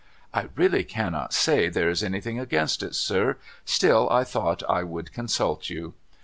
' I really cannot say there is anything against it sir, still I thought I would consult you.'